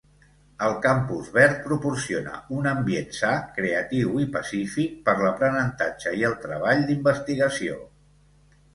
El campus verd proporciona un ambient sa, creatiu i pacífic per l'aprenentatge i el treball d'investigació.